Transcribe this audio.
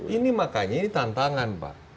ini makanya ini tantangan pak